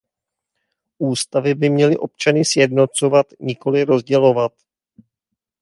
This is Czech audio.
Ústavy by měly občany sjednocovat, nikoli rozdělovat.